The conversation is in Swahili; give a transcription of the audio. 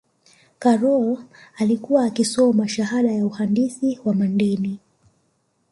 karol alikiuwa akisoma shahada ya uhandisi wa mandini